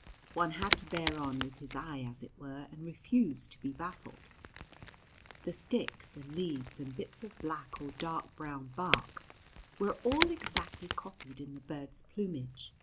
One had to bear on with his eye, as it were, and refuse to be baffled. The sticks and leaves, and bits of black or dark brown bark, were all exactly copied in the bird's plumage.